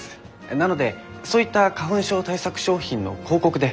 なのでそういった花粉症対策商品の広告で採算は取れるかと。